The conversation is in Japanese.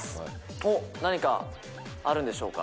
おっ何かあるんでしょうか？